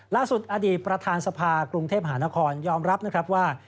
ล่าสุดอดีตประธานสภากรุงเทพหานครยอมรับนะครับว่า